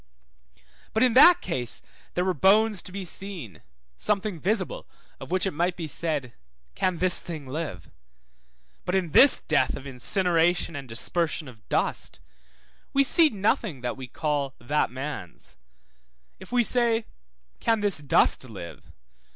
But in that case there were bones to be seen, something visible, of which it might be said, Can this thing live? But in this death of incineration and dispersion of dust, we see nothing that we call that man's. If we say, Can this dust live?